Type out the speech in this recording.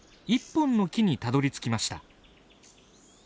１本の木にたどりつきました。